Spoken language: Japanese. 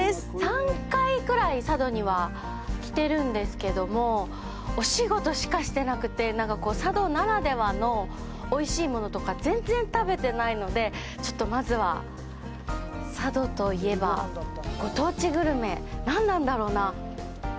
３回くらい佐渡には来てるんですけどもお仕事しかしてなくて佐渡ならではのおいしいものとか全然食べてないのでまずは佐渡といえばご当地グルメ何なんだろうな。